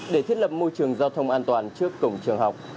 để thiết lập môi trường giao thông an toàn trước cổng trường học